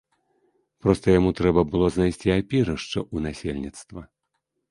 Проста яму трэба было знайсці апірышча ў насельніцтва.